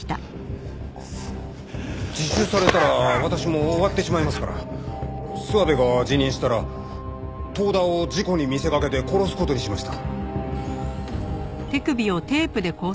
自首されたら私も終わってしまいますから諏訪部が辞任したら遠田を事故に見せかけて殺す事にしました。